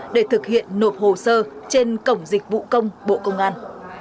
để thực hiện nộp hồ sơ trên cổng dịch vụ công bộ công an